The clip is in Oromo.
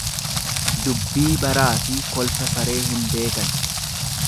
Dubbii baraafi kolfa saree hin beekan.